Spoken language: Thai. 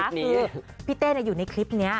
คือพี่เต้อยู่ในคลิปนี้